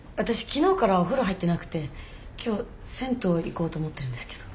昨日からお風呂入ってなくて今日銭湯行こうと思ってるんですけど。